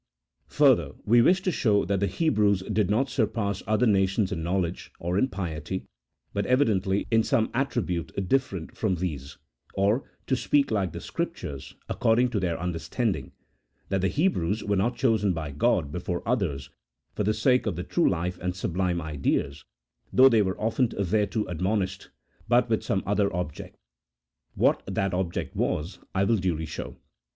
Further, we wished to show that the Hebrews did not surpass other nations in knowledge, or in piety, but evidently in some attribute different from these ; or (to speak like the Scrip tures, according to their understanding), that the Hebrews were not chosen by God before others for the sake of the true life and sublime ideas, though they were often thereto admonished, but with some other object. What that object was, I will duly show.